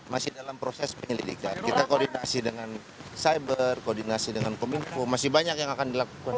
masih dalam proses penyelidikan kita koordinasi dengan cyber koordinasi dengan kominfo masih banyak yang akan dilakukan